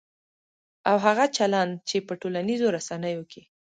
او هغه چلند چې په ټولنیزو رسنیو کې